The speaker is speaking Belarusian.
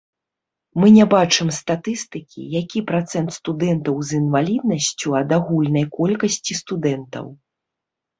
Мы не бачым статыстыкі, які працэнт студэнтаў з інваліднасцю ад агульнай колькасці студэнтаў.